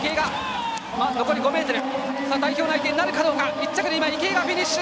１着で池江がフィニッシュ。